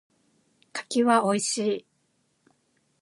柿は美味しい。